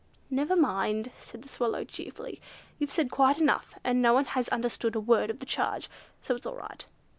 "Never mind," said the Swallow cheerfully, "You've said quite enough, and no one has understood a word of the charge, so it's all right.